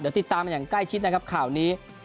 เดี๋ยวติดตามอย่างใกล้ชิดนะครับข่าวนี้